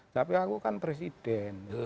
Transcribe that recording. tapi aku kan presiden